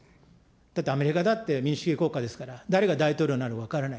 だって、アメリカだって民主主義国家ですから、誰が大統領になるか分からない。